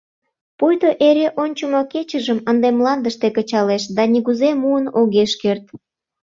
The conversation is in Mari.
Пуйто эре ончымо кечыжым ынде мландыште кычалеш да нигузе муын огеш керт.